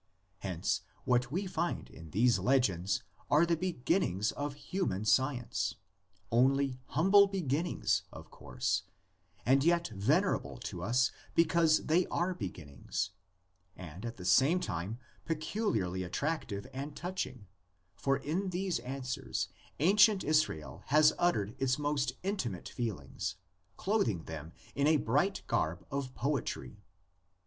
Hence what we find in these legends are the beginnings of human science; only humble beginnings, of course, and yet venerable to us because they are beginnings, and at the same time peculiarly attractive and touching, for in these answers ancient Israel has uttered its most intimate feelings, clothing them in a bright garb of poetry.